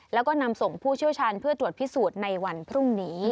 แล้วก็นำส่งผู้เชี่ยวชาญเพื่อตรวจพิสูจน์ในวันพรุ่งนี้